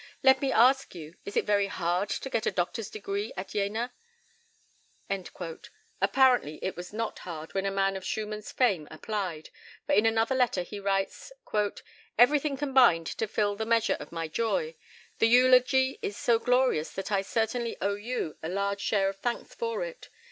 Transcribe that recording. Let me ask you: Is it very hard to get a Doctor's degree at Jena?" Apparently it was not hard when a man of Schumann's fame applied, for in another letter he writes: "Everything combined to fill the measure of my joy. The eulogy is so glorious that I certainly owe you a large share of thanks for it.